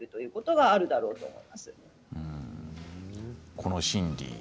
この心理。